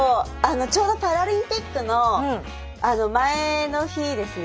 ちょうどパラリンピックの前の日ですね。